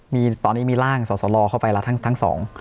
มีตอนนี้มีร่างสสลเข้าไปทั้ง๒